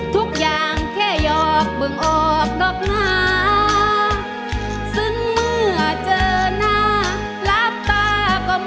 ทุกอย่างแค่หยอกเบื้องออกดอกหน้าซึ่งเมื่อเจอหน้าลาบตาก็เหมือนลืมกัน